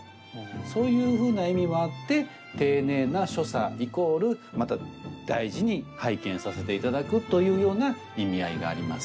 そういうふうな意味もあって丁寧な所作イコールまた大事に拝見させていただくというような意味合いがあります。